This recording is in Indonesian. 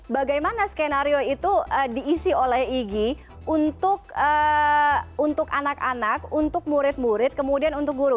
bagaimana skenario itu diisi oleh igi untuk anak anak untuk murid murid kemudian untuk guru